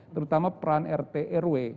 terutama peran rtrw